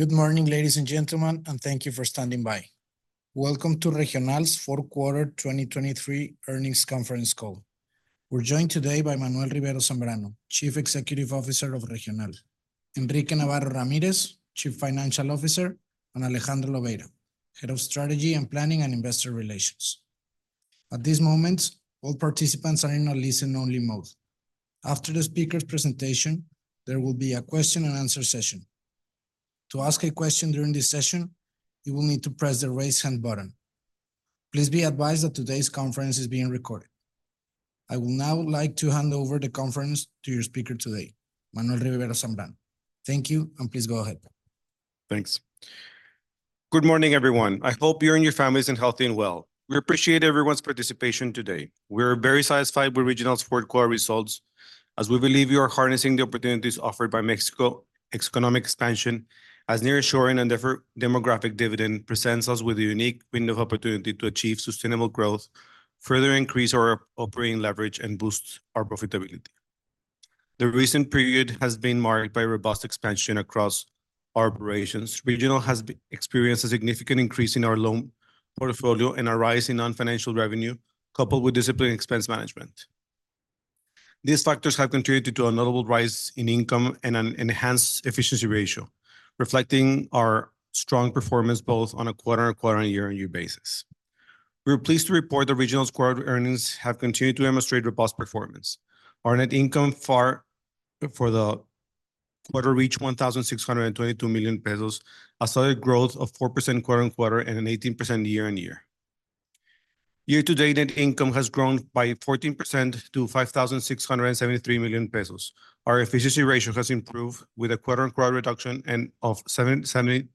Good morning, ladies and gentlemen, and thank you for standing by. Welcome to Regional's fourth quarter, 2023 earnings conference call. We're joined today by Manuel Rivero Zambrano, Chief Executive Officer of Regional; Enrique Navarro Ramírez, Chief Financial Officer; and Alejandro Lobeira, Head of Strategy and Planning and Investor Relations. At this moment, all participants are in a listen-only mode. After the speaker's presentation, there will be a question and answer session. To ask a question during this session, you will need to press the Raise Hand button. Please be advised that today's conference is being recorded. I will now like to hand over the conference to your speaker today, Manuel Rivero Zambrano. Thank you, and please go ahead. Thanks. Good morning, everyone. I hope you and your families are healthy and well. We appreciate everyone's participation today. We're very satisfied with Regional's fourth quarter results, as we believe we are harnessing the opportunities offered by Mexico's economic expansion, as nearshoring and demographic dividend presents us with a unique window of opportunity to achieve sustainable growth, further increase our operating leverage, and boost our profitability. The recent period has been marked by robust expansion across our operations. Regional has experienced a significant increase in our loan portfolio and a rise in non-financial revenue, coupled with disciplined expense management. These factors have contributed to a notable rise in income and an enhanced efficiency ratio, reflecting our strong performance both on a quarter-on-quarter and a year-on-year basis. We are pleased to report that Regional's quarter earnings have continued to demonstrate robust performance. Our net income for the quarter reached 1,622 million pesos, a solid growth of 4% quarter-on-quarter and an 18% year-on-year. Year to date, net income has grown by 14% to 5,673 million pesos. Our efficiency ratio has improved, with a quarter-on-quarter reduction of seventy-seven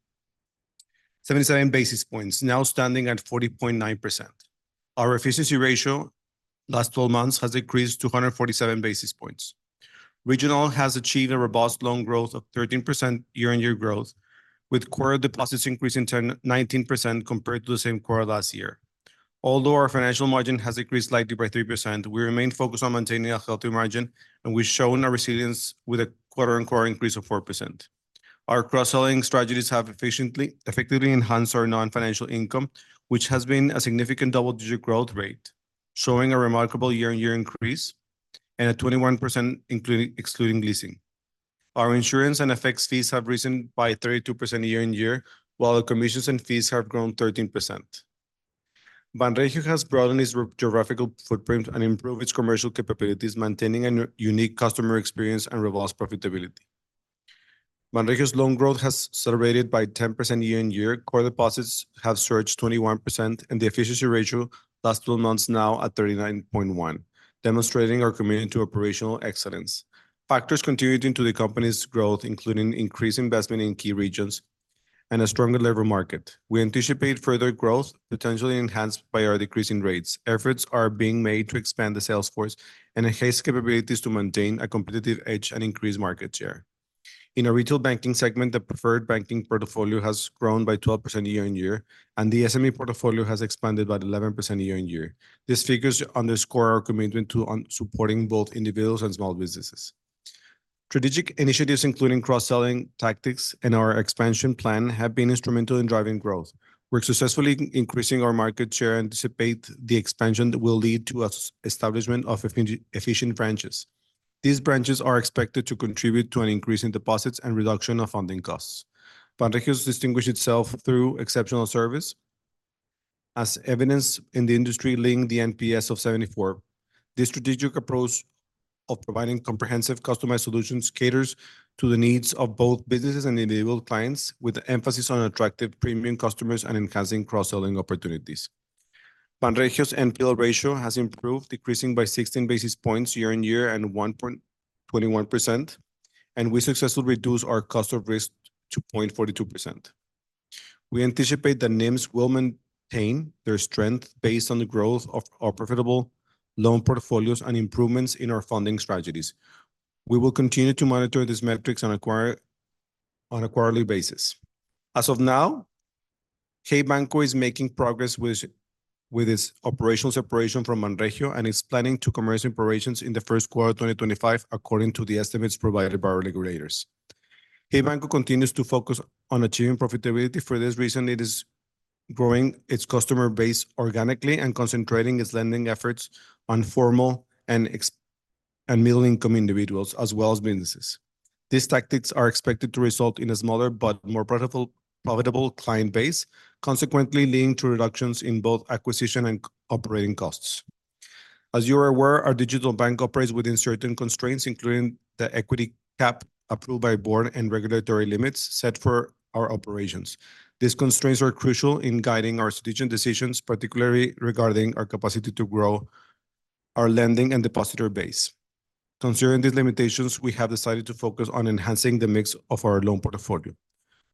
basis points, now standing at 40.9%. Our efficiency ratio last twelve months has decreased 247 basis points. Regional has achieved a robust loan growth of 13% year-on-year growth, with quarter deposits increasing nineteen percent compared to the same quarter last year. Although our financial margin has decreased slightly by 3%, we remain focused on maintaining a healthy margin, and we've shown our resilience with a quarter-on-quarter increase of 4%. Our cross-selling strategies have effectively enhanced our non-financial income, which has been a significant double-digit growth rate, showing a remarkable year-on-year increase and a 21% excluding leasing. Our insurance and FX fees have risen by 32% year-on-year, while the commissions and fees have grown 13%. Banregio has broadened its geographical footprint and improved its commercial capabilities, maintaining a unique customer experience and robust profitability. Banregio's loan growth has accelerated by 10% year-on-year. Core deposits have surged 21%, and the efficiency ratio last twelve months, now at 39.1, demonstrating our commitment to operational excellence. Factors contributing to the company's growth including increased investment in key regions and a stronger labor market. We anticipate further growth, potentially enhanced by our decreasing rates. Efforts are being made to expand the sales force and enhance capabilities to maintain a competitive edge and increase market share. In our retail banking segment, the preferred banking portfolio has grown by 12% year-on-year, and the SME portfolio has expanded by 11% year-on-year. These figures underscore our commitment to supporting both individuals and small businesses. Strategic initiatives, including cross-selling tactics and our expansion plan, have been instrumental in driving growth. We're successfully increasing our market share and anticipate the expansion that will lead to our establishment of efficient branches. These branches are expected to contribute to an increase in deposits and reduction of funding costs. Banregio has distinguished itself through exceptional service, as evidenced by the industry-leading NPS of 74. This strategic approach of providing comprehensive, customized solutions caters to the needs of both businesses and individual clients, with an emphasis on attractive premium customers and enhancing cross-selling opportunities. Banregio's NPL ratio has improved, decreasing by 16 basis points year-on-year and 1.21%, and we successfully reduced our cost of risk to 0.42%. We anticipate that NIMs will maintain their strength based on the growth of our profitable loan portfolios and improvements in our funding strategies. We will continue to monitor these metrics on a quarterly basis. As of now, Hey Banco is making progress with its operational separation from Banregio, and is planning to commence operations in the first quarter of 2025, according to the estimates provided by our regulators. Hey Banco continues to focus on achieving profitability. For this reason, it is growing its customer base organically and concentrating its lending efforts on formal and middle-income individuals, as well as businesses. These tactics are expected to result in a smaller but more profitable client base, consequently leading to reductions in both acquisition and operating costs. As you are aware, our digital bank operates within certain constraints, including the equity cap approved by board and regulatory limits set for our operations. These constraints are crucial in guiding our strategic decisions, particularly regarding our capacity to grow our lending and depositor base. Considering these limitations, we have decided to focus on enhancing the mix of our loan portfolio.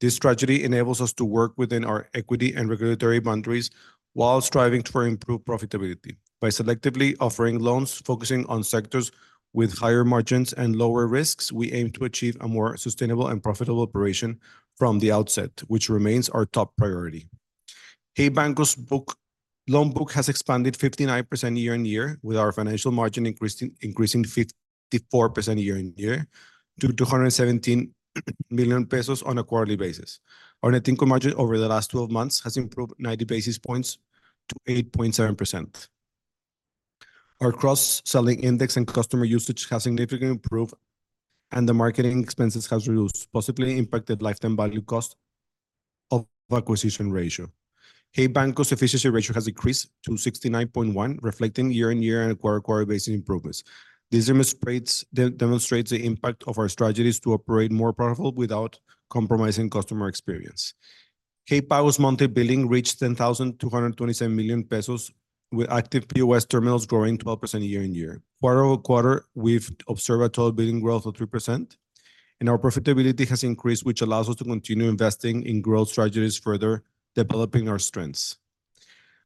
This strategy enables us to work within our equity and regulatory boundaries while striving for improved profitability. By selectively offering loans, focusing on sectors with higher margins and lower risks, we aim to achieve a more sustainable and profitable operation from the outset, which remains our top priority. Hey Banco's loan book has expanded 59% year-on-year, with our financial margin increasing 54% year-on-year to 217 million pesos on a quarterly basis. Our net income margin over the last 12 months has improved 90 basis points to 8.7%. Our cross-selling index and customer usage has significantly improved, and the marketing expenses has reduced, possibly impacted lifetime value cost of acquisition ratio. Hey Banco's efficiency ratio has increased to 69.1, reflecting year-on-year and quarter-over-quarter basis improvements. This demonstrates the impact of our strategies to operate more profitable without compromising customer experience. Hey Pago's monthly billing reached 10,227 million pesos, with active POS terminals growing 12% year-on-year. Quarter-over-quarter, we've observed a total billing growth of 3%, and our profitability has increased, which allows us to continue investing in growth strategies, further developing our strengths.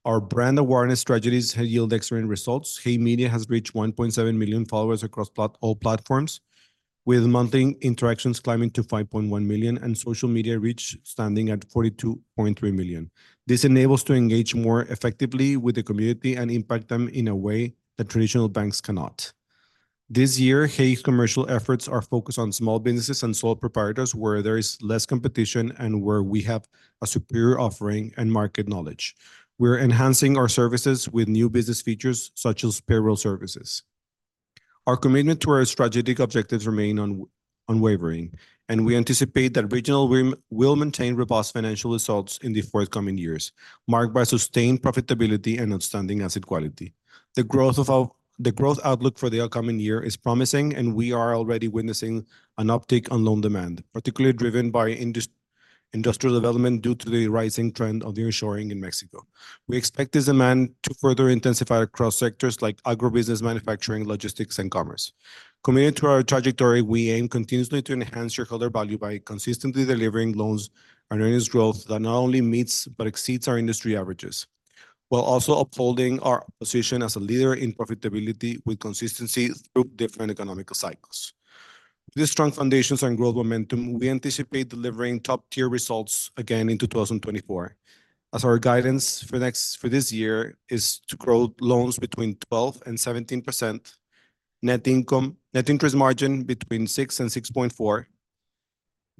Our brand awareness strategies have yielded excellent results. Hey Media has reached 1.7 million followers across all platforms, with monthly interactions climbing to 5.1 million, and social media reach standing at 42.3 million. This enables to engage more effectively with the community and impact them in a way that traditional banks cannot. This year, Hey's commercial efforts are focused on small businesses and sole proprietors, where there is less competition and where we have a superior offering and market knowledge. We're enhancing our services with new business features, such as payroll services. Our commitment to our strategic objectives remains unwavering, and we anticipate that Regional will maintain robust financial results in the forthcoming years, marked by sustained profitability and outstanding asset quality. The growth outlook for the upcoming year is promising, and we are already witnessing an uptick in loan demand, particularly driven by industrial development due to the rising trend of nearshoring in Mexico. We expect this demand to further intensify across sectors like agribusiness, manufacturing, logistics, and commerce. Committed to our trajectory, we aim continuously to enhance shareholder value by consistently delivering loans and earnings growth that not only meets but exceeds our industry averages, while also upholding our position as a leader in profitability with consistency through different economic cycles. With strong foundations and growth momentum, we anticipate delivering top-tier results again in 2024, as our guidance for this year is to grow loans between 12% and 17%, net interest margin between 6% and 6.4%,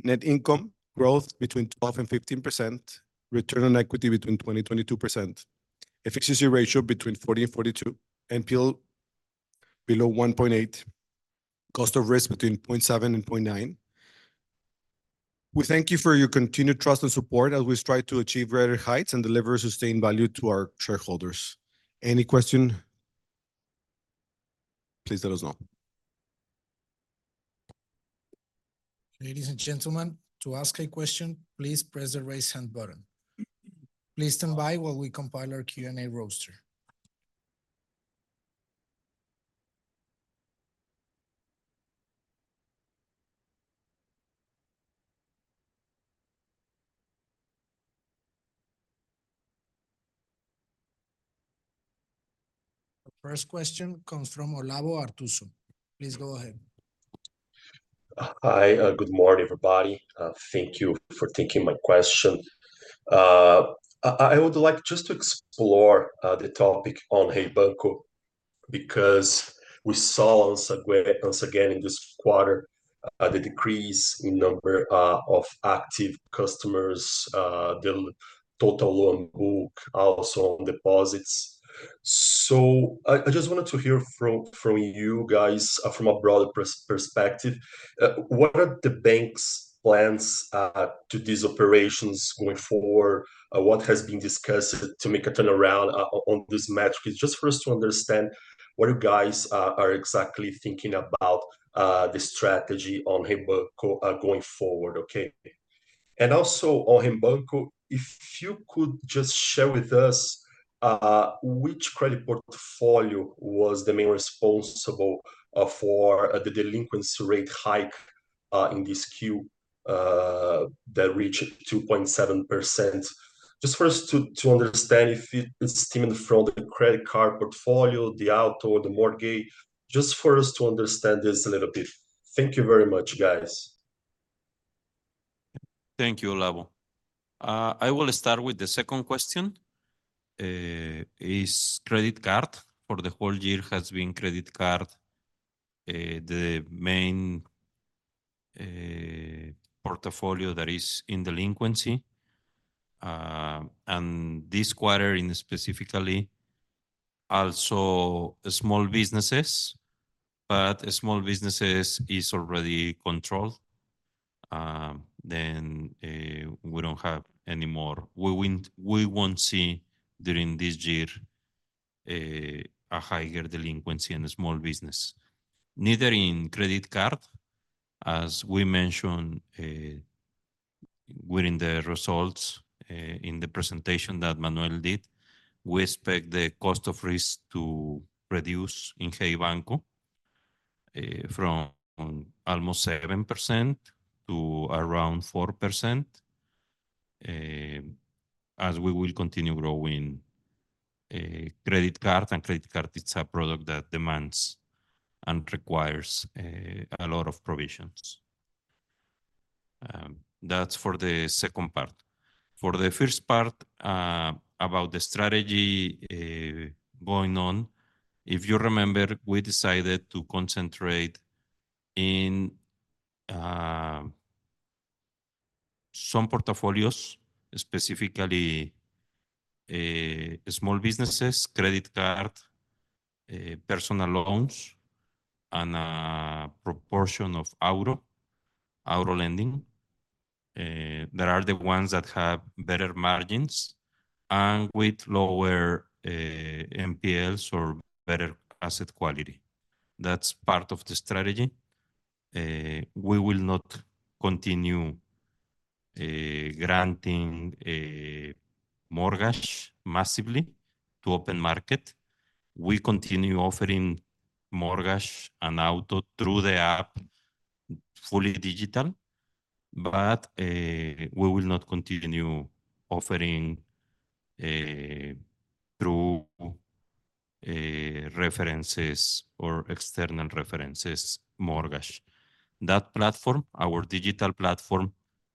net income growth between 12% and 15%, return on equity between 20% and 22%, efficiency ratio between 40 and 42, NPL below 1.8, cost of risk between 0.7 and 0.9. We thank you for your continued trust and support as we strive to achieve greater heights and deliver sustained value to our shareholders. Any question, please let us know. Ladies and gentlemen, to ask a question, please press the Raise Hand button. Please stand by while we compile our Q&A roster. The first question comes from Olavo Arthuzo. Please go ahead. Hi, good morning, everybody. Thank you for taking my question. I would like just to explore the topic on Hey Banco, because we saw once again, once again in this quarter, the decrease in number of active customers, the total loan book, also on deposits. So I just wanted to hear from you guys, from a broader perspective, what are the bank's plans to these operations going forward? What has been discussed to make a turnaround on this metric? It's just for us to understand what you guys are exactly thinking about the strategy on Hey Banco going forward, okay? Also on Hey Banco, if you could just share with us, which credit portfolio was the main responsible for the delinquency rate hike in this Q that reached 2.7%? Just for us to understand if it's coming from the credit card portfolio, the auto, or the mortgage, just for us to understand this a little bit. Thank you very much, guys. Thank you, Olavo. I will start with the second question. Credit card for the whole year has been credit card the main portfolio that is in delinquency. And this quarter specifically also small businesses, but small businesses is already controlled. We don't have any more. We won't see during this year a higher delinquency in the small business. Neither in credit card, as we mentioned within the results in the presentation that Manuel did, we expect the cost of risk to reduce in Hey Banco from almost 7% to around 4% as we will continue growing credit card, and credit card it's a product that demands and requires a lot of provisions.... That's for the second part. For the first part, about the strategy, going on, if you remember, we decided to concentrate in, some portfolios, specifically, small businesses, credit card, personal loans, and, proportion of auto, auto lending. They are the ones that have better margins and with lower, NPLs or better asset quality. That's part of the strategy. We will not continue, granting a mortgage massively to open market. We continue offering mortgage and auto through the app, fully digital, but, we will not continue offering, through, references or external references mortgage. That platform, our digital platform,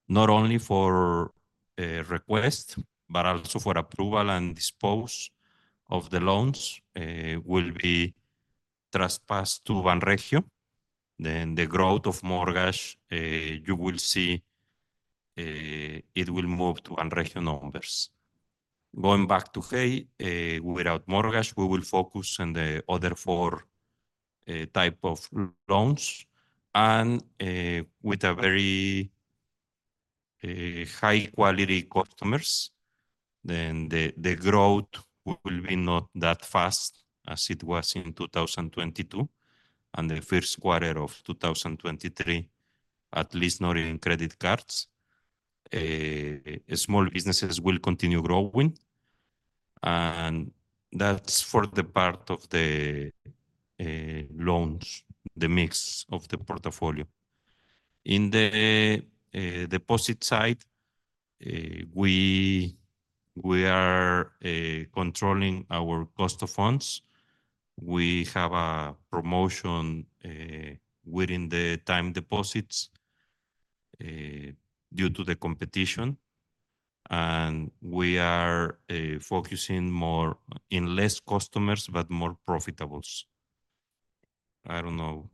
not only for, request, but also for approval and dispose of the loans, will be transferred to Banregio, then the growth of mortgage, you will see, it will move to Banregio numbers. Going back to Hey, without mortgage, we will focus on the other four type of loans, and with a very high-quality customers, then the growth will be not that fast as it was in 2022 and the first quarter of 2023, at least not in credit cards. Small businesses will continue growing, and that's for the part of the loans, the mix of the portfolio. In the deposit side, we are controlling our cost of funds. We have a promotion within the time deposits due to the competition, and we are focusing more in less customers, but more profitable. I don't know.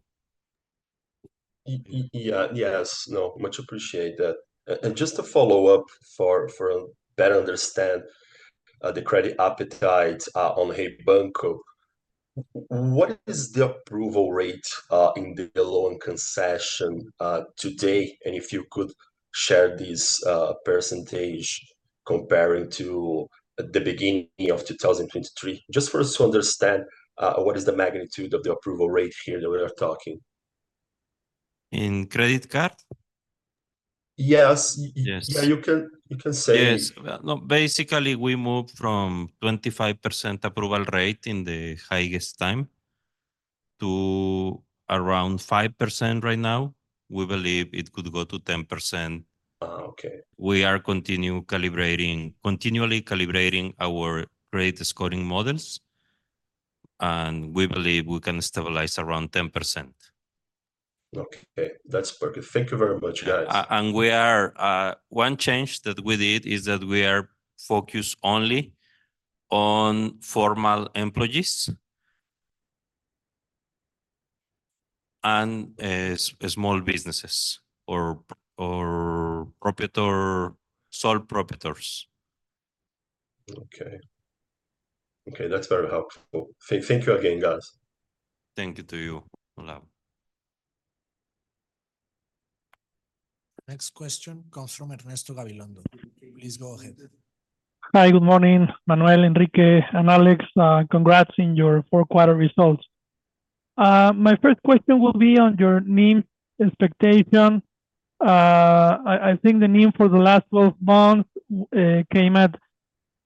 Yeah. Yes, no, much appreciate that. And just to follow up for a better understand the credit appetite on Hey Banco, what is the approval rate in the loan concession today? And if you could share this percentage comparing to the beginning of 2023, just for us to understand what is the magnitude of the approval rate here that we are talking. In credit card? Yes. Yes. Yeah, you can, you can say. Yes. Well, no, basically, we moved from 25% approval rate in the highest time to around 5% right now. We believe it could go to 10%. Oh, okay. We are continually calibrating our credit scoring models, and we believe we can stabilize around 10%. Okay, that's perfect. Thank you very much, guys. We are one change that we did is that we are focused only on formal employees and small businesses or sole proprietors. Okay. Okay, that's very helpful. Thank you again, guys. Thank you to you, Olavo. Next question comes from Ernesto Gabilondo. Please go ahead. Hi, good morning, Manuel, Enrique, and Alex. Congrats on your fourth quarter results. My first question will be on your NIM expectation. I think the NIM for the last twelve months came at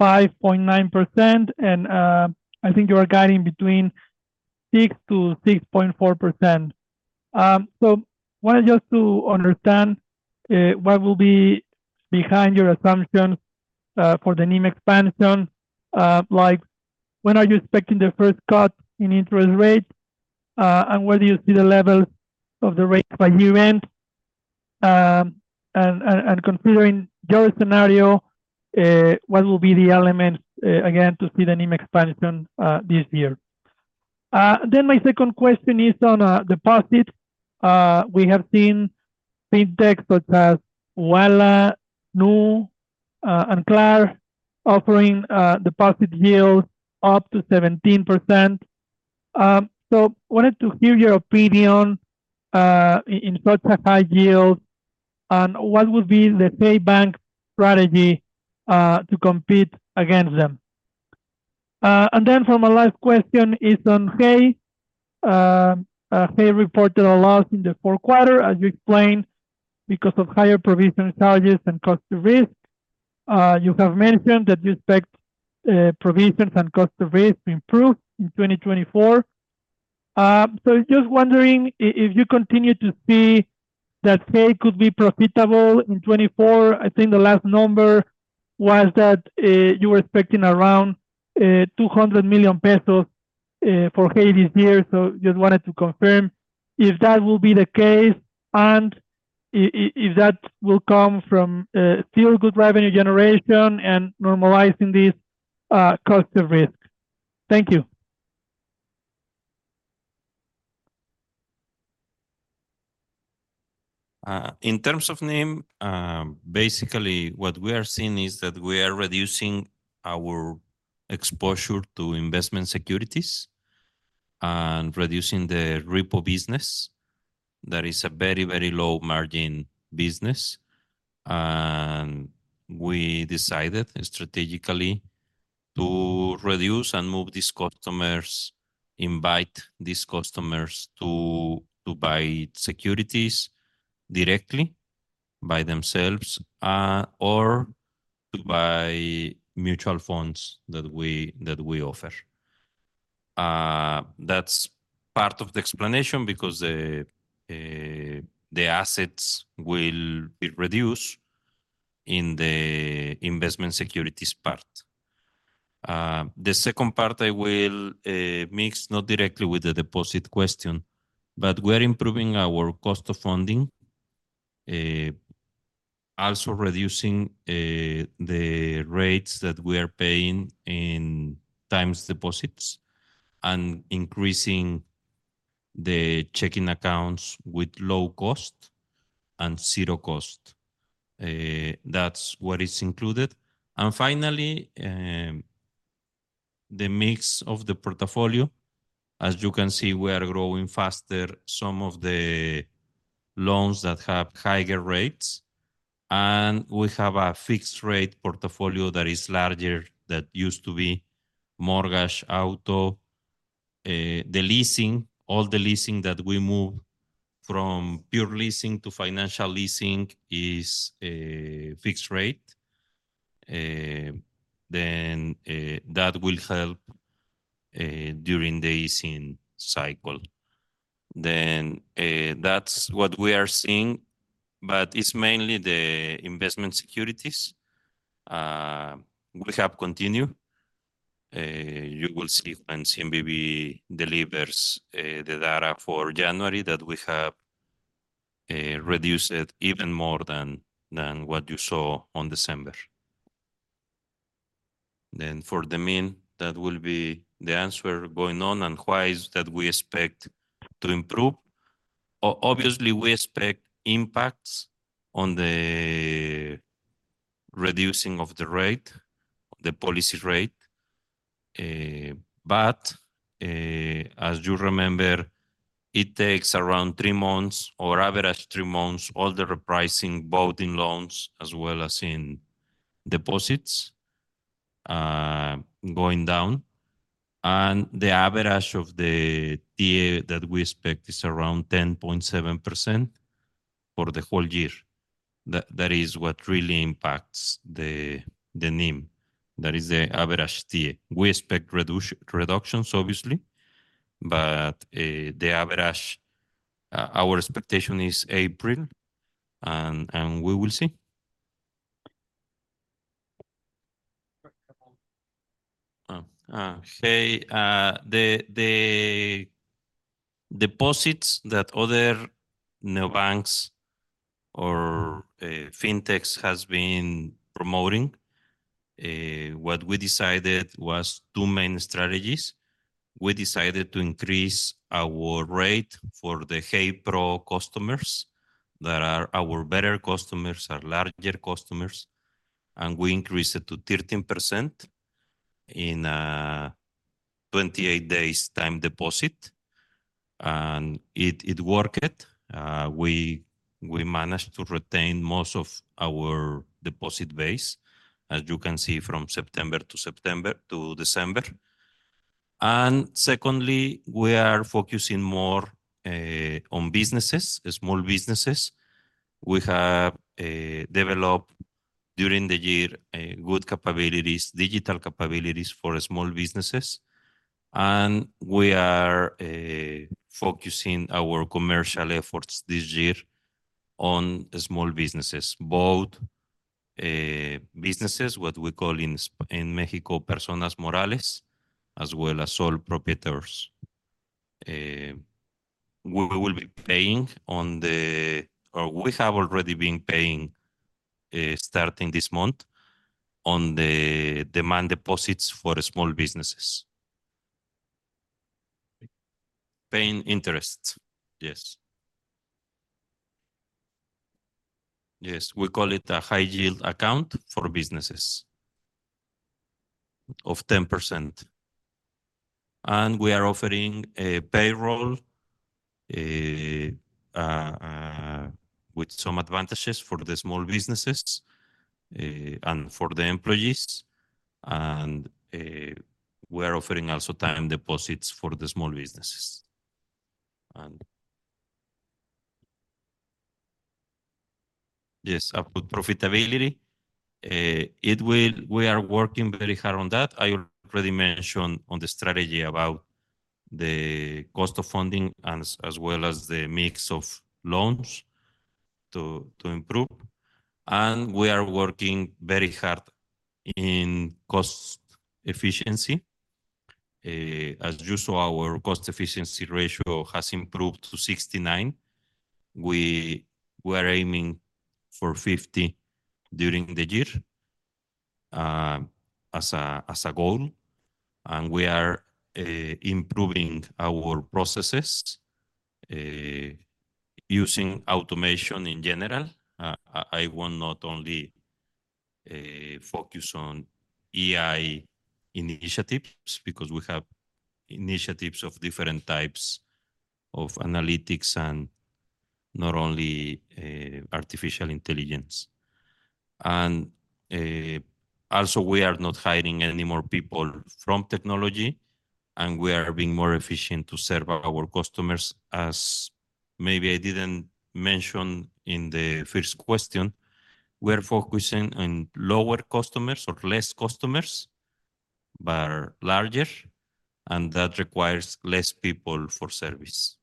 5.9%, and I think you are guiding between 6%-6.4%. So wanted just to understand what will be behind your assumption for the NIM expansion. Like, when are you expecting the first cut in interest rates, and where do you see the level of the rates by year-end? And considering your scenario, what will be the elements again to see the NIM expansion this year? Then my second question is on deposits. We have seen fintech such as Ualá, Nu, and Klar offering deposit yields up to 17%. So wanted to hear your opinion in such a high yield, and what would be the Hey Banco strategy to compete against them? And then for my last question is on Hey. Hey reported a loss in the fourth quarter, as you explained, because of higher provision charges and cost of risk. You have mentioned that you expect provisions and cost of risk to improve in 2024. So just wondering if you continue to see that Hey could be profitable in 2024. I think the last number was that you were expecting around 200 million pesos-... For Hey this year, so just wanted to confirm if that will be the case, and if that will come from still good revenue generation and normalizing this cost of risk. Thank you. In terms of NIM, basically what we are seeing is that we are reducing our exposure to investment securities and reducing the repo business. That is a very, very low margin business, and we decided strategically to reduce and move these customers, invite these customers to buy securities directly by themselves, or to buy mutual funds that we offer. That's part of the explanation, because the assets will be reduced in the investment securities part. The second part I will mix not directly with the deposit question, but we're improving our cost of funding. Also reducing the rates that we are paying in time deposits and increasing the checking accounts with low cost and zero cost. That's what is included. And finally, the mix of the portfolio. As you can see, we are growing faster some of the loans that have higher rates, and we have a fixed rate portfolio that is larger, that used to be mortgage, auto. The leasing, all the leasing that we move from pure leasing to financial leasing is a fixed rate. Then, that will help during the easing cycle. Then, that's what we are seeing, but it's mainly the investment securities. We have continued. You will see when CNBV delivers the data for January, that we have reduced it even more than what you saw on December. Then for the NIM, that will be the answer going on and why is that we expect to improve. Obviously, we expect impacts on the reducing of the rate, the policy rate. But, as you remember, it takes around three months, or average three months, all the repricing, both in loans as well as in deposits, going down. And the average of the TIIE that we expect is around 10.7% for the whole year. That, that is what really impacts the, the NIM. That is the average TIIE. We expect reductions, obviously, but, the average, our expectation is April, and, and we will see. Quick couple. Oh, hey, the deposits that other neobanks or fintechs has been promoting, what we decided was two main strategies. We decided to increase our rate for the Hey Pro customers, that are our better customers, our larger customers, and we increased it to 13% in a 28-day time deposit, and it worked. We managed to retain most of our deposit base, as you can see from September to December. And secondly, we are focusing more on businesses, small businesses. We have developed during the year good capabilities, digital capabilities for small businesses, and we are focusing our commercial efforts this year on small businesses, both businesses, what we call in Spanish in Mexico, personas morales, as well as sole proprietors. We will be paying on the... Or we have already been paying, starting this month, on the demand deposits for the small businesses. Paying interest, yes. Yes, we call it a high-yield account for businesses of 10%. And we are offering a payroll with some advantages for the small businesses and for the employees, and we are offering also time deposits for the small businesses. Yes, about profitability, we are working very hard on that. I already mentioned on the strategy about the cost of funding as well as the mix of loans to improve, and we are working very hard in cost efficiency. As you saw, our cost efficiency ratio has improved to 69%. We're aiming for 50% during the year as a goal, and we are improving our processes using automation in general. I want not only focus on AI initiatives, because we have initiatives of different types of analytics and not only artificial intelligence. Also we are not hiring any more people from technology, and we are being more efficient to serve our customers. As maybe I didn't mention in the first question, we're focusing on lower customers or less customers, but larger, and that requires less people for service.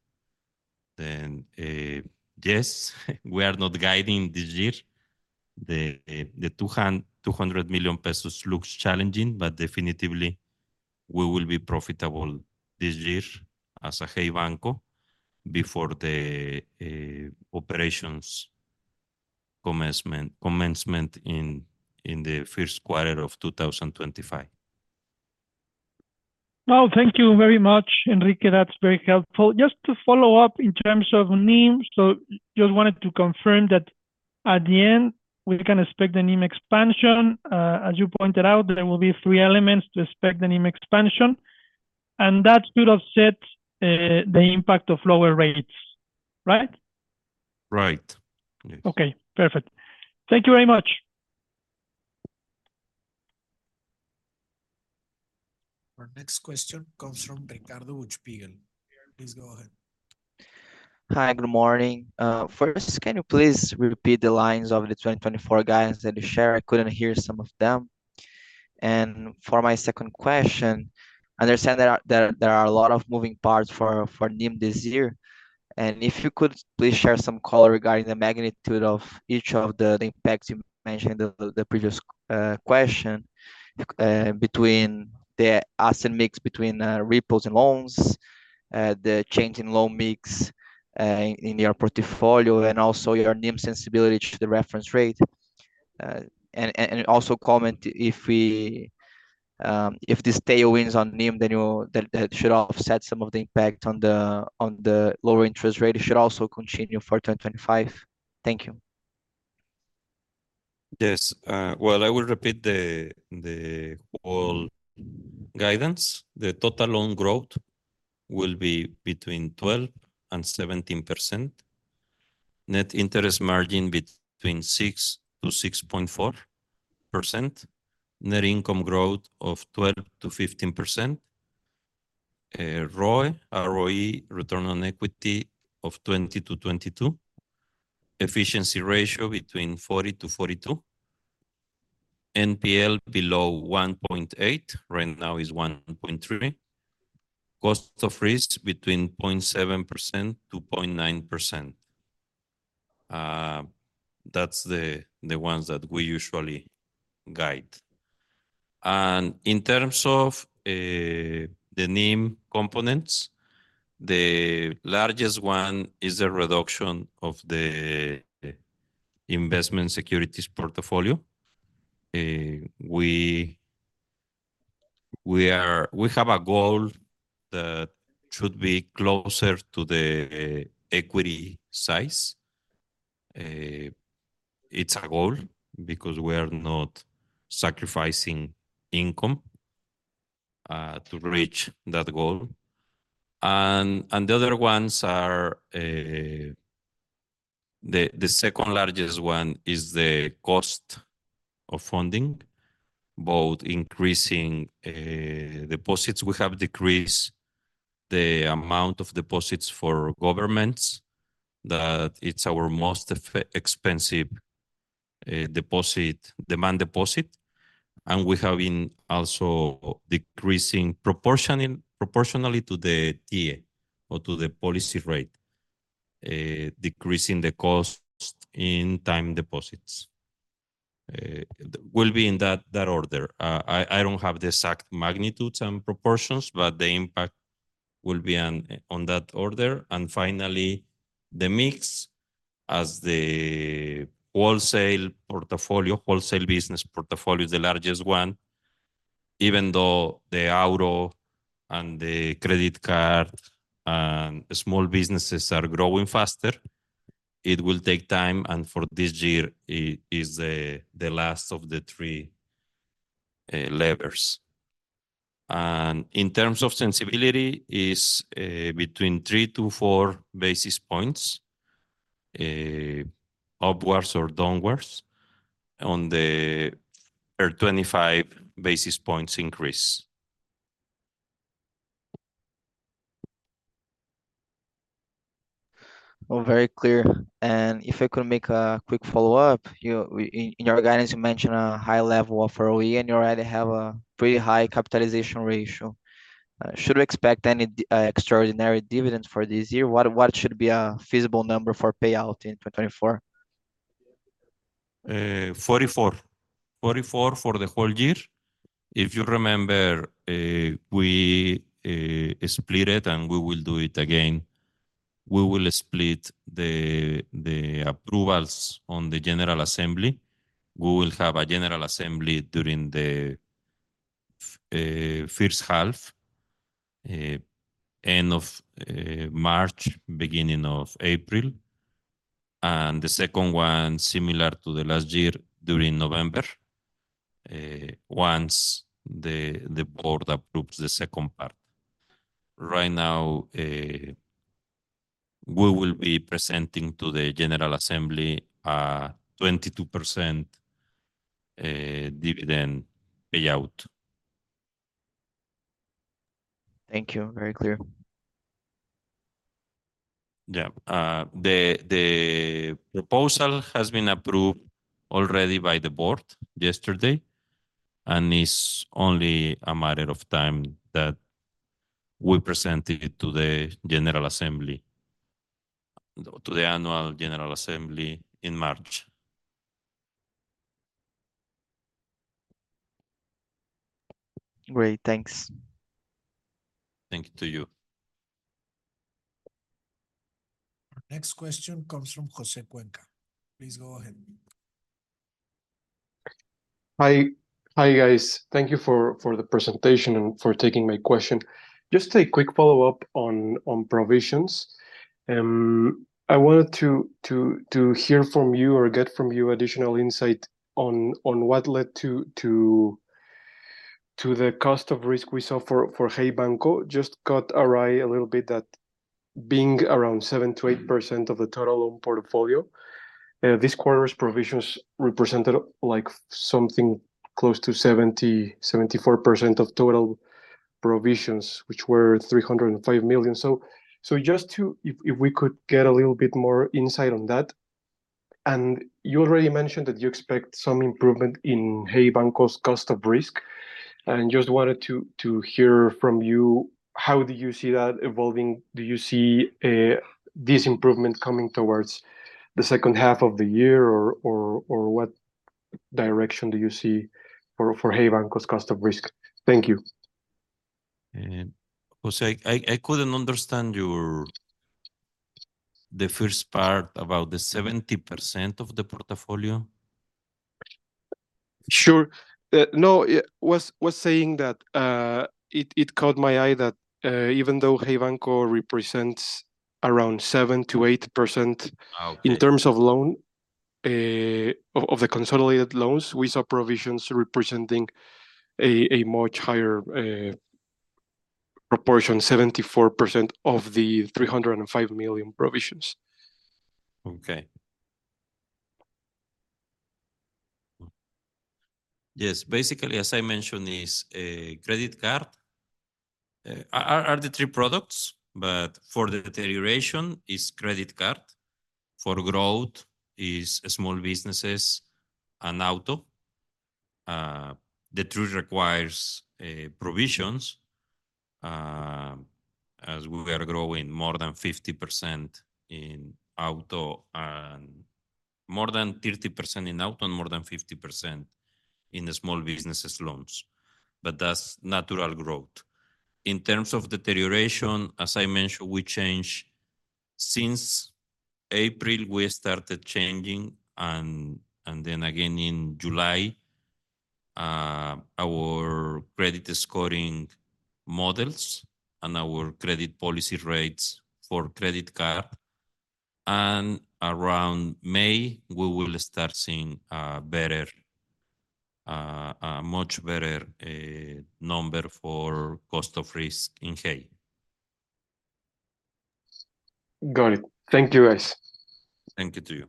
Yes, we are not guiding this year. The 200 million pesos looks challenging, but definitely we will be profitable this year as a Hey Banco before the operations commencement in the first quarter of 2025. Well, thank you very much, Enrique. That's very helpful. Just to follow up in terms of NIM, so just wanted to confirm that at the end, we can expect the NIM expansion. As you pointed out, there will be three elements to expect the NIM expansion, and that should offset the impact of lower rates, right? Right. Yes. Okay, perfect. Thank you very much. Our next question comes from Ricardo Buchpiguel. Please go ahead. Hi, good morning. First, can you please repeat the lines of the 2024 guidance that you shared? I couldn't hear some of them. And for my second question, I understand there are a lot of moving parts for NIM this year, and if you could please share some color regarding the magnitude of each of the impacts you mentioned in the previous question, between the asset mix, between repos and loans, the change in loan mix in your portfolio, and also your NIM sensibility to the reference rate. And also comment if we... If these tailwinds on NIM, then you- that, that should offset some of the impact on the lower interest rate, it should also continue for 2025. Thank you. Yes. Well, I will repeat the whole guidance. The total loan growth will be between 12% and 17%. Net interest margin between 6%-6.4%. Net income growth of 12%-15%. ROE, return on equity, of 20-22. Efficiency ratio between 40-42. NPL below 1.8, right now is 1.3. Cost of risk between 0.7%-0.9%. That's the ones that we usually guide. And in terms of the NIM components, the largest one is the reduction of the investment securities portfolio. We have a goal that should be closer to the equity size. It's a goal because we are not sacrificing income to reach that goal. And the other ones are... The second largest one is the cost of funding, both increasing deposits. We have decreased the amount of deposits for governments, that it's our most expensive deposit, demand deposit. And we have been also decreasing proportionally to the TIIE or to the policy rate, decreasing the cost in time deposits. Will be in that order. I don't have the exact magnitudes and proportions, but the impact will be on that order. And finally, the mix as the wholesale portfolio, wholesale business portfolio is the largest one, even though the auto and the credit card and small businesses are growing faster, it will take time, and for this year, it is the last of the three levers. In terms of sensitivity, is between 3-4 basis points upwards or downwards on the 25 basis points increase. Well, very clear. If I could make a quick follow-up, you in your guidance, you mentioned a high level of ROE, and you already have a pretty high capitalization ratio. Should we expect any extraordinary dividends for this year? What should be a feasible number for payout in 2024?... 44. 44 for the whole year. If you remember, we split it, and we will do it again. We will split the approvals on the general assembly. We will have a general assembly during the first half, end of March, beginning of April, and the second one, similar to last year, during November, once the board approves the second part. Right now, we will be presenting to the general assembly a 22% dividend payout. Thank you. Very clear. Yeah. The proposal has been approved already by the board yesterday, and it's only a matter of time that we present it to the general assembly, to the annual general assembly in March. Great, thanks. Thank you to you. Next question comes from José Cuenca. Please go ahead. Hi. Hi, guys. Thank you for the presentation and for taking my question. Just a quick follow-up on provisions. I wanted to hear from you or get from you additional insight on what led to the cost of risk we saw for Hey Banco. Just caught our eye a little bit that being around 7%-8% of the total loan portfolio, this quarter's provisions represented, like, something close to 74% of total provisions, which were 305 million. Just to... if we could get a little bit more insight on that. You already mentioned that you expect some improvement in Hey Banco's cost of risk, and just wanted to hear from you, how do you see that evolving? Do you see this improvement coming towards the second half of the year or what direction do you see for Hey Banco's cost of risk? Thank you. José, I, I couldn't understand your... the first part about the 70% of the portfolio. Sure. No, it was saying that it caught my eye that even though Hey Banco represents around 7%-8%- Okay... in terms of loan of the consolidated loans, we saw provisions representing a much higher proportion, 74% of the 305 million provisions. Okay. Yes, basically, as I mentioned, is credit card are the three products, but for the deterioration is credit card, for growth is small businesses and auto. The truth requires provisions as we are growing more than 50% in auto, and more than 30% in auto and more than 50% in the small businesses loans, but that's natural growth. In terms of deterioration, as I mentioned, we changed. Since April, we started changing, and then again in July our credit scoring models and our credit policy rates for credit card, and around May, we will start seeing a better, a much better number for cost of risk in Hey. Got it. Thank you, guys. Thank you, too.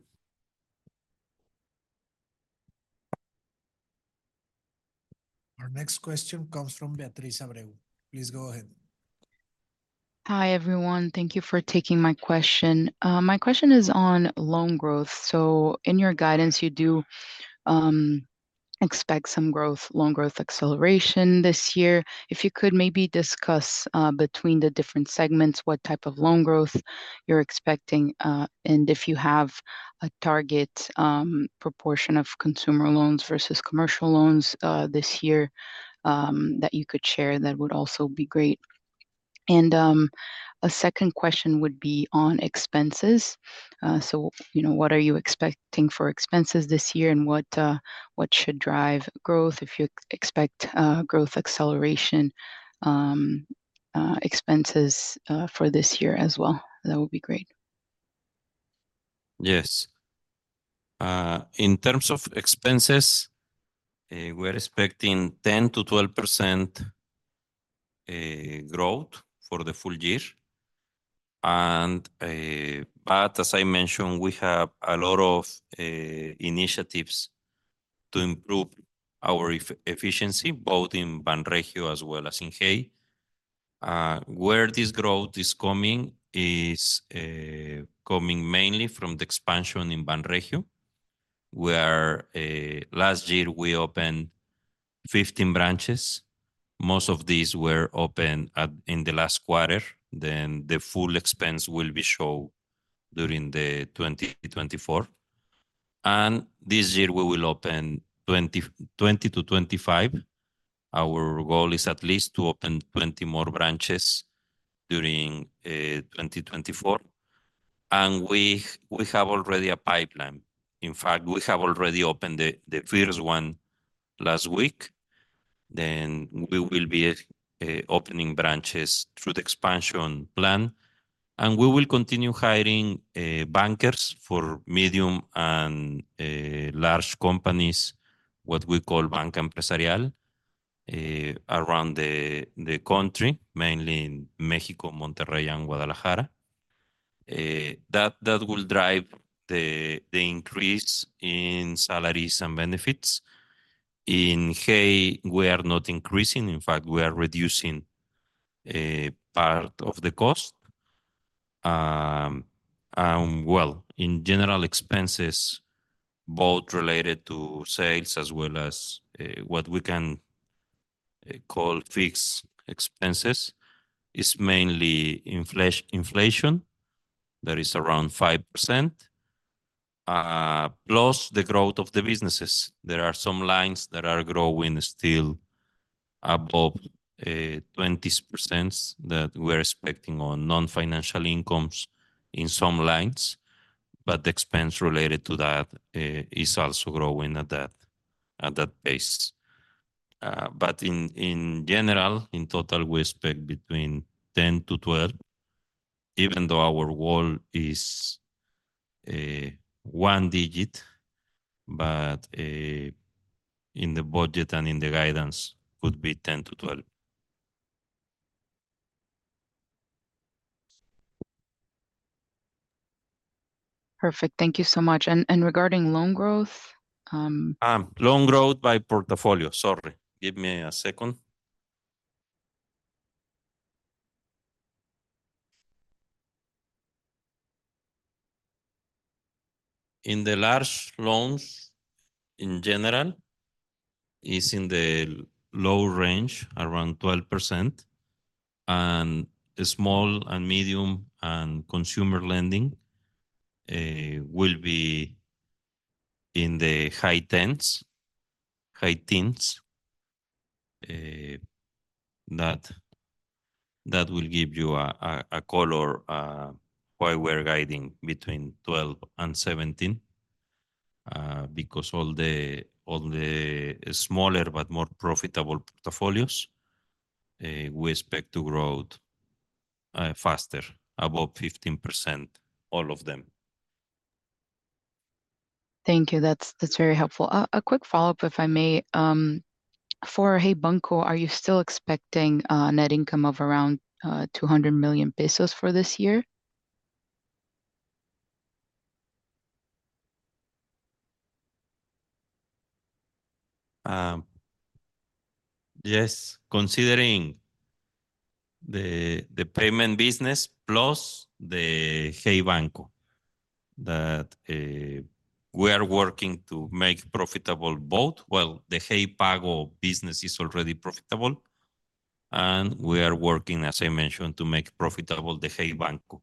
Our next question comes from Beatriz Abreu. Please go ahead. Hi, everyone. Thank you for taking my question. My question is on loan growth. So in your guidance, you do expect some growth, loan growth acceleration this year. If you could maybe discuss between the different segments, what type of loan growth you're expecting, and if you have a target proportion of consumer loans versus commercial loans this year that you could share, that would also be great. And a second question would be on expenses. So you know, what are you expecting for expenses this year, and what should drive growth if you expect growth acceleration expenses for this year as well? That would be great. Yes. In terms of expenses, we're expecting 10%-12% growth for the full year. But as I mentioned, we have a lot of initiatives to improve our efficiency, both in Banregio as well as in Hey. Where this growth is coming is coming mainly from the expansion in Banregio, where last year we opened 15 branches. Most of these were opened in the last quarter, then the full expense will be shown during 2024. And this year we will open 20-25. Our goal is at least to open 20 more branches during 2024, and we have already a pipeline. In fact, we have already opened the first one last week. Then we will be opening branches through the expansion plan, and we will continue hiring bankers for medium and large companies, what we call Banca Empresarial, around the country, mainly in Mexico, Monterrey, and Guadalajara. That will drive the increase in salaries and benefits. In Hey, we are not increasing, in fact, we are reducing a part of the cost. Well, in general expenses, both related to sales as well as what we can call fixed expenses, is mainly inflation. That is around 5%, plus the growth of the businesses. There are some lines that are growing still above 20% that we're expecting on non-financial incomes in some lines, but the expense related to that is also growing at that pace. But in general, in total, we expect between 10-12, even though our goal is one digit, but in the budget and in the guidance would be 10-12. Perfect. Thank you so much. And regarding loan growth, Loan growth by portfolio, sorry. Give me a second. In the large loans, in general, is in the low range, around 12%, and the small and medium and consumer lending will be in the high tens, high teens. That will give you a color why we're guiding between 12% and 17%. Because all the smaller but more profitable portfolios we expect to grow faster, about 15%, all of them. Thank you. That's, that's very helpful. A quick follow-up, if I may. For Hey Banco, are you still expecting net income of around 200 million pesos for this year? Yes, considering the payment business plus the Hey Banco, that we are working to make profitable both. Well, the Hey Pago business is already profitable, and we are working, as I mentioned, to make profitable the Hey Banco.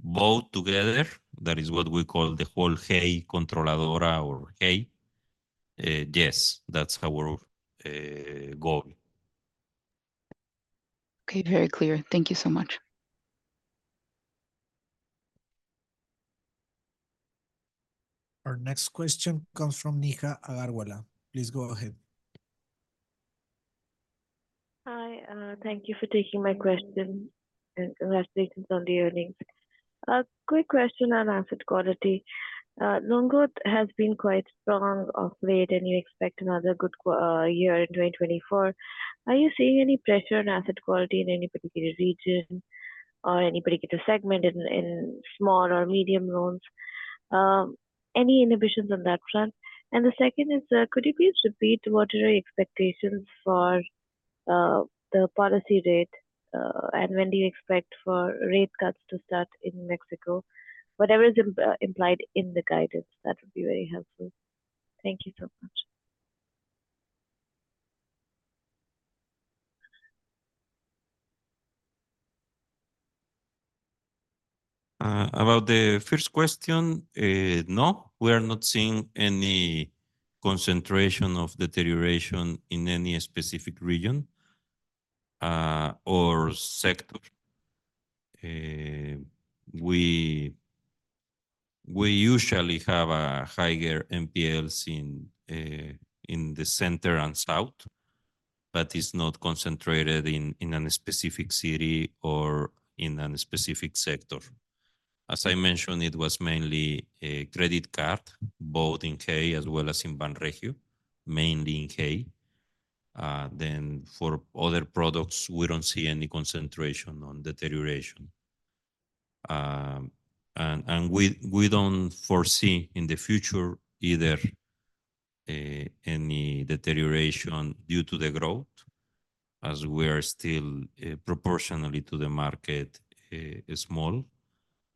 Both together, that is what we call the whole Hey Controladora or Hey. Yes, that's our goal. Okay, very clear. Thank you so much. Our next question comes from Neha Agarwala. Please go ahead. Hi, thank you for taking my question, and congratulations on the earnings. A quick question on asset quality. Loan growth has been quite strong of late, and you expect another good year in 2024. Are you seeing any pressure on asset quality in any particular region or any particular segment in small or medium loans? Any inhibitions on that front? And the second is, could you please repeat what are your expectations for the policy rate and when do you expect for rate cuts to start in Mexico? Whatever is implied in the guidance, that would be very helpful. Thank you so much. About the first question, no, we are not seeing any concentration of deterioration in any specific region or sector. We usually have higher NPLs in the center and south, but it's not concentrated in a specific city or in a specific sector. As I mentioned, it was mainly a credit card, both in Hey as well as in Banregio, mainly in Hey. Then for other products, we don't see any concentration on deterioration. And we don't foresee in the future either, any deterioration due to the growth as we are still, proportionally to the market, small,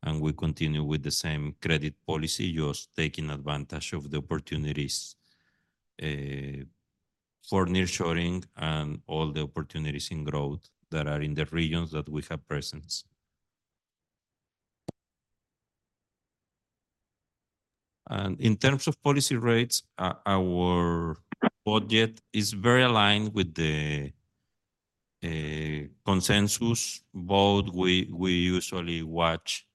and we continue with the same credit policy, just taking advantage of the opportunities for nearshoring and all the opportunities in growth that are in the regions that we have presence. In terms of policy rates, our budget is very aligned with the consensus. We usually watch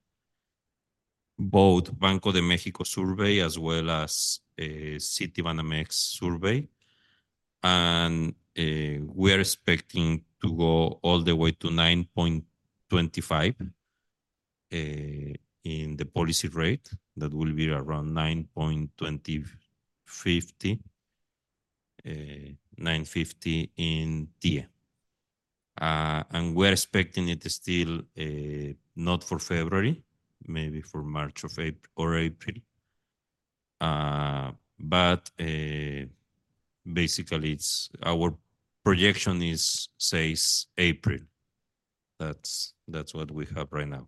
both Banco de México survey as well as Citibanamex survey, and we are expecting to go all the way to 9.25 in the policy rate. That will be around 9.25, 9.50 in TIIE. And we're expecting it still not for February, maybe for March or April. But basically, our projection is April. That's what we have right now.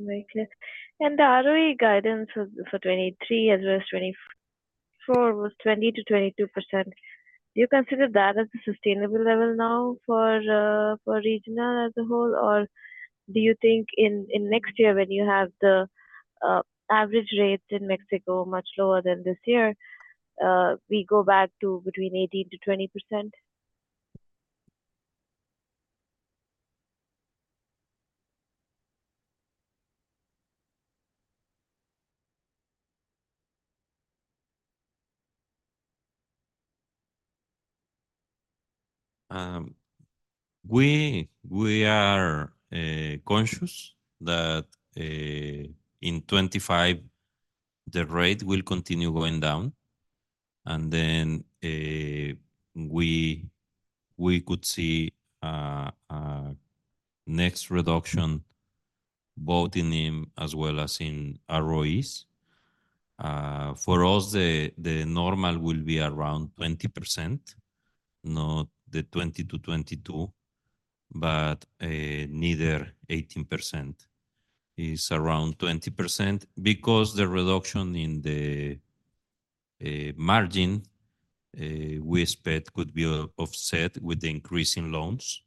Mm-hmm. Very clear. The ROE guidance for 2023 as well as 2024 was 20%-22%. Do you consider that as a sustainable level now for Regional as a whole? Or do you think in next year when you have the average rates in Mexico much lower than this year, we go back to between 18%-20%? We are conscious that in 2025, the rate will continue going down, and then we could see a next reduction both in the as well as in ROEs. For us, the normal will be around 20%, not the 20-22, but neither 18%. It's around 20% because the reduction in the margin we expect could be offset with the increase in loans.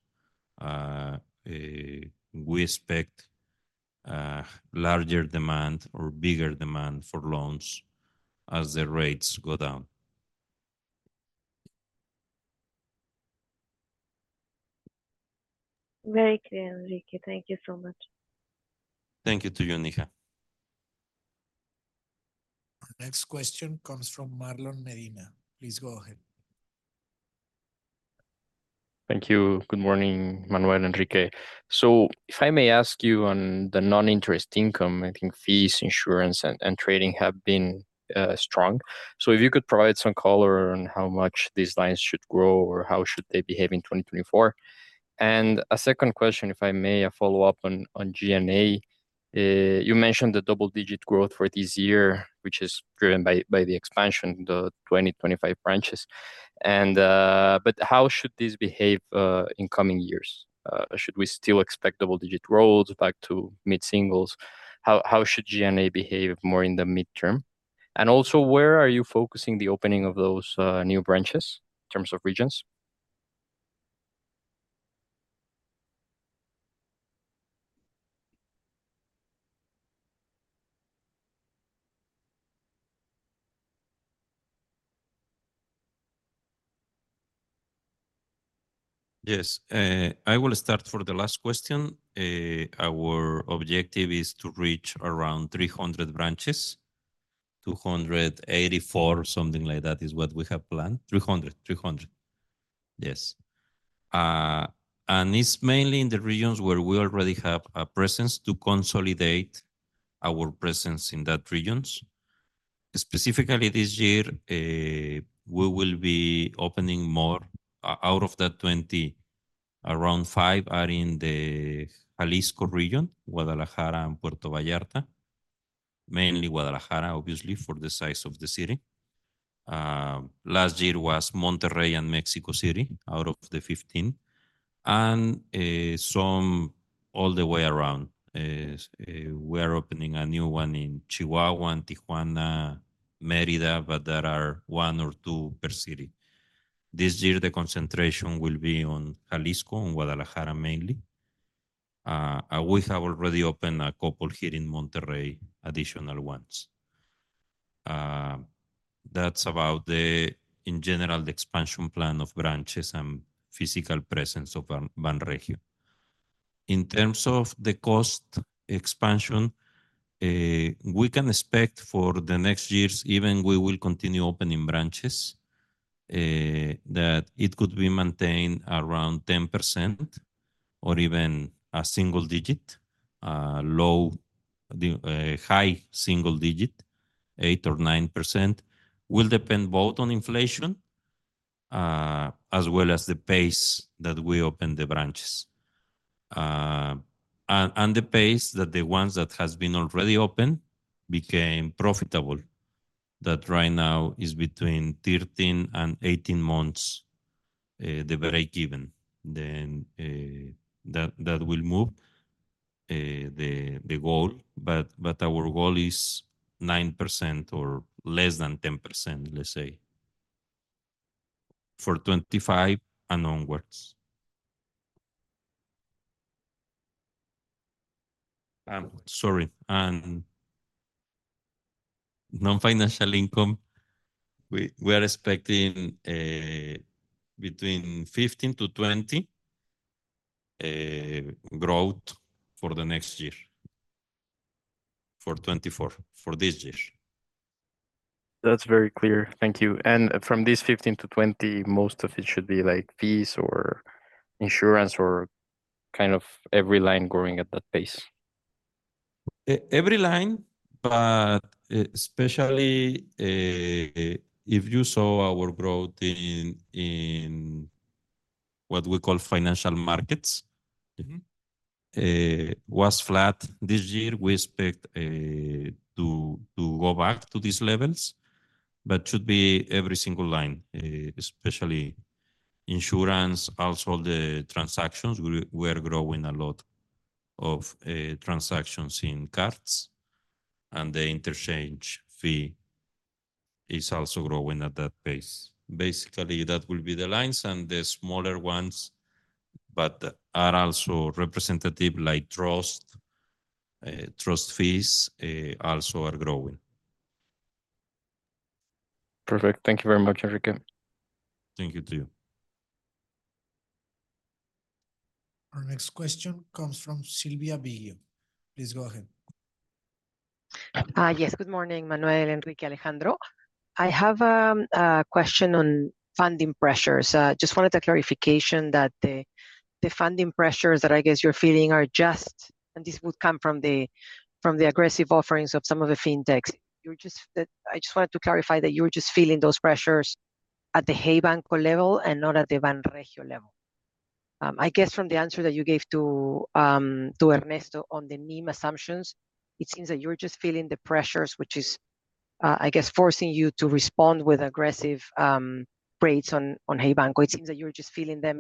We expect larger demand or bigger demand for loans as the rates go down. Very clear, Enrique. Thank you so much. Thank you to you, Neha. Our next question comes from Marlon Medina. Please go ahead. Thank you. Good morning, Manuel and Enrique. So if I may ask you on the non-interest income, I think fees, insurance, and trading have been strong. So if you could provide some color on how much these lines should grow or how should they behave in 2024? And a second question, if I may, a follow-up on G&A. You mentioned the double-digit growth for this year, which is driven by the expansion, the 20-25 branches, and... But how should this behave in coming years? Should we still expect double-digit growth back to mid-singles? How should G&A behave more in the midterm? And also, where are you focusing the opening of those new branches in terms of regions? Yes, I will start for the last question. Our objective is to reach around 300 branches, 284, something like that is what we have planned. 300. 300, yes. And it's mainly in the regions where we already have a presence to consolidate our presence in those regions. Specifically, this year, we will be opening more. Out of that 20, around 5 are in the Jalisco region, Guadalajara and Puerto Vallarta. Mainly Guadalajara, obviously, for the size of the city. Last year it was Monterrey and Mexico City out of the 15. And, some all the way around, we are opening a new one in Chihuahua and Tijuana, Merida, but there are one or two per city. This year, the concentration will be on Jalisco, in Guadalajara mainly. And we have already opened a couple here in Monterrey, additional ones. That's about the, in general, the expansion plan of branches and physical presence of Banregio. In terms of the cost expansion, we can expect for the next years, even we will continue opening branches, that it could be maintained around 10% or even a single digit, low, high single digit, 8% or 9%. Will depend both on inflation, as well as the pace that we open the branches. And the pace that the ones that has been already open became profitable, that right now is between 13 and 18 months, the break even. Then, that will move the goal, but our goal is 9% or less than 10%, let's say, for 2025 and onwards. Sorry, and non-financial income, we are expecting between 15%-20% growth for the next year, for 2024, for this year. That's very clear. Thank you. And from this 15%-20%, most of it should be like fees or insurance or kind of every line growing at that pace? Every line, but especially, if you saw our growth in what we call financial markets- Mm-hmm... was flat this year. We expect to go back to these levels, but should be every single line, especially insurance, also the transactions. We are growing a lot of transactions in cards, and the interchange fee is also growing at that pace. Basically, that will be the lines and the smaller ones, but are also representative, like trust fees, also are growing. Perfect. Thank you very much, Enrique. Thank you, too. Our next question comes from Silvia. Please go ahead. Yes. Good morning, Manuel, Enrique, Alejandro. I have a question on funding pressures. Just wanted a clarification that the funding pressures that I guess you're feeling are just... And this would come from the aggressive offerings of some of the fintechs. I just wanted to clarify that you were just feeling those pressures at the Hey Banco level and not at the Banregio level. I guess from the answer that you gave to Ernesto on the NIM assumptions, it seems that you're just feeling the pressures, which is, I guess, forcing you to respond with aggressive rates on Hey Banco. It seems that you're just feeling them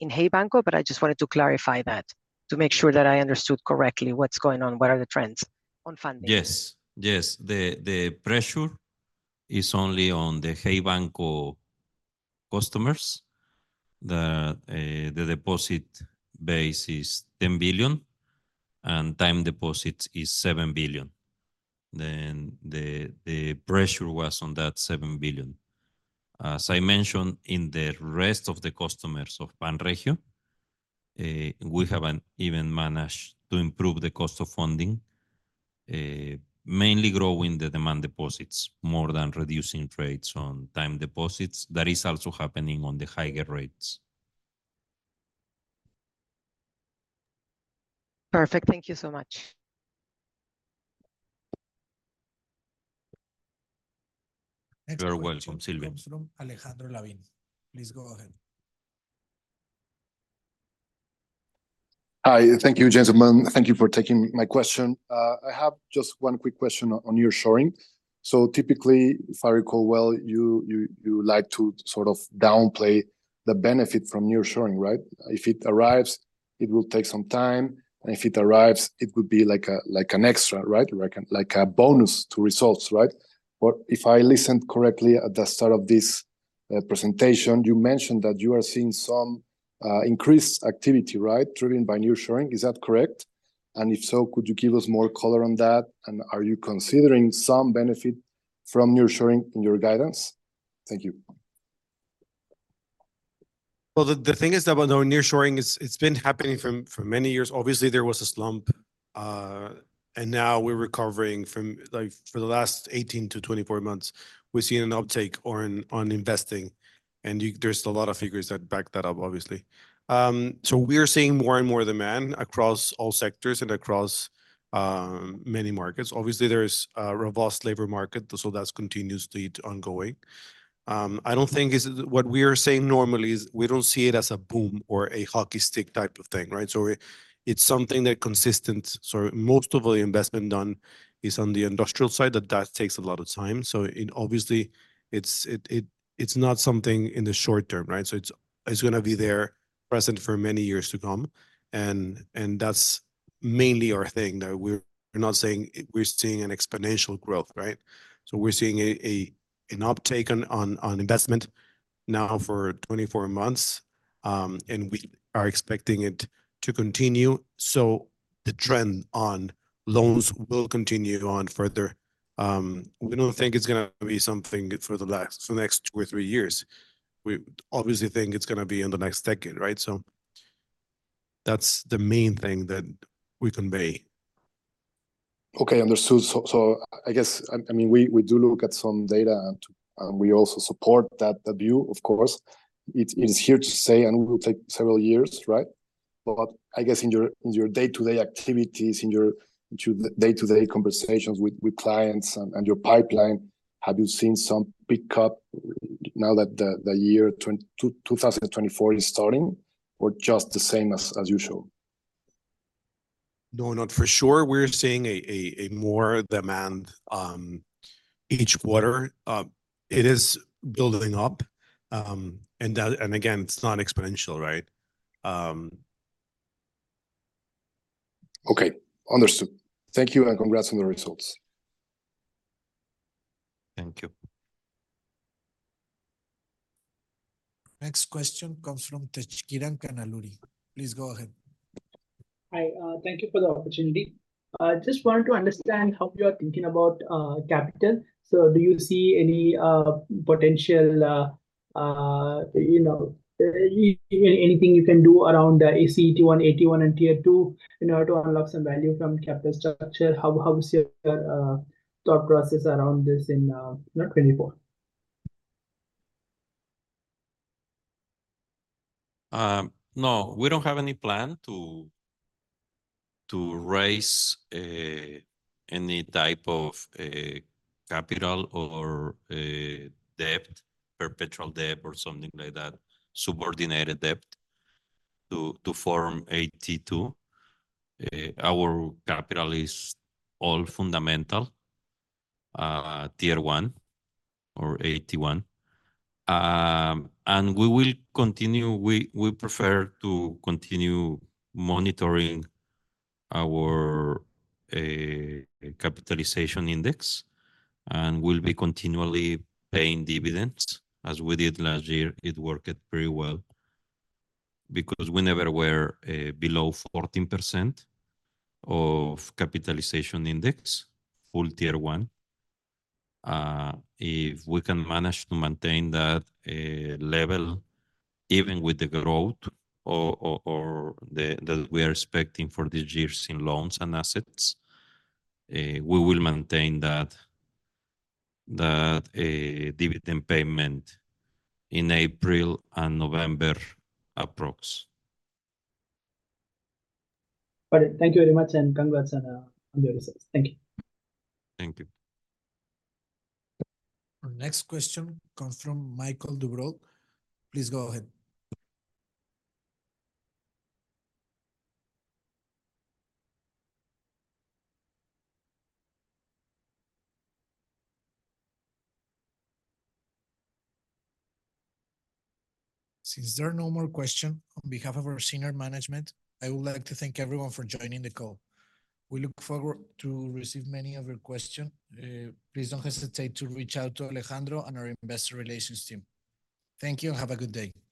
in Hey Banco, but I just wanted to clarify that to make sure that I understood correctly what's going on, what are the trends on funding. Yes, yes. The pressure is only on the Hey Banco customers. The deposit base is 10 billion, and time deposits is 7 billion. Then the pressure was on that 7 billion. As I mentioned, in the rest of the customers of Banregio, we have even managed to improve the cost of funding, mainly growing the demand deposits more than reducing rates on time deposits. That is also happening on the higher rates. Perfect. Thank you so much. You're welcome, Silvia. Next question comes from Alejandro Lavin. Please go ahead. Hi. Thank you, gentlemen. Thank you for taking my question. I have just one quick question on nearshoring. So typically, if I recall well, you, you, you like to sort of downplay the benefit from nearshoring, right? If it arrives, it will take some time, and if it arrives, it would be like a, like an extra, right? Like a, like a bonus to results, right? But if I listened correctly at the start of this presentation, you mentioned that you are seeing some increased activity, right, driven by nearshoring. Is that correct? And if so, could you give us more color on that, and are you considering some benefit from nearshoring in your guidance? Thank you. Well, the thing is that, well, nearshoring, it's been happening for many years. Obviously, there was a slump, and now we're recovering from, like, for the last 18-24 months, we've seen an uptake on investing, and there's a lot of figures that back that up, obviously. So we are seeing more and more demand across all sectors and across many markets. Obviously, there is a robust labor market, so that's continuously ongoing. I don't think it's... What we are saying normally is we don't see it as a boom or a hockey stick type of thing, right? So it's something that's consistent. So most of the investment done is on the industrial side, that takes a lot of time. So it obviously, it's not something in the short term, right? So it's gonna be there, present for many years to come, and that's mainly our thing. Now, we're not saying we're seeing an exponential growth, right? So we're seeing an uptake on investment now for 24 months, and we are expecting it to continue. So the trend on loans will continue on further. We don't think it's gonna be something for the next two or three years. We obviously think it's gonna be in the next decade, right? So that's the main thing that we convey. Okay, understood. So, I guess, I mean, we do look at some data, and we also support that view, of course. It is here to stay, and it will take several years, right? But I guess in your day-to-day activities, in your day-to-day conversations with clients and your pipeline, have you seen some pickup now that the year 2024 is starting, or just the same as usual? No, not. For sure, we're seeing more demand each quarter. It is building up, and that, and again, it's not exponential, right? Okay. Understood. Thank you, and congrats on the results. Thank you. Next question comes from Tejkiran Kannaluri. Please go ahead. Hi, thank you for the opportunity. I just want to understand how you are thinking about capital. So do you see any potential, you know, anything you can do around the CET1, AT1, and Tier 2 in order to unlock some value from capital structure? How is your thought process around this in 2024? No, we don't have any plan to raise any type of capital or debt, perpetual debt or something like that, subordinated debt to form Tier 2. Our capital is all fundamental Tier 1 or AT1. We will continue... We prefer to continue monitoring our capitalization index, and we'll be continually paying dividends as we did last year. It worked very well. Because we never were below 14% of capitalization index, full Tier 1. If we can manage to maintain that level, even with the growth that we are expecting for this year in loans and assets, we will maintain that dividend payment in April and November approx. Got it. Thank you very much, and congrats on the results. Thank you. Thank you. Our next question comes from Michael Dubreuil. Please go ahead. Since there are no more question, on behalf of our senior management, I would like to thank everyone for joining the call. We look forward to receive many of your question. Please don't hesitate to reach out to Alejandro and our investor relations team. Thank you, and have a good day.